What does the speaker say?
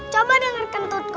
coba denger kentutku